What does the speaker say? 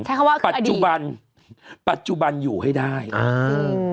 ใช่คำว่าคืออดีตปัจจุบันปัจจุบันอยู่ให้ได้อ่า